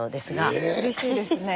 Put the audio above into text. これうれしいですね。